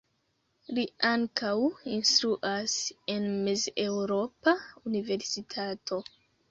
Li ankaŭ instruas en la Mez-Eŭropa Universitato.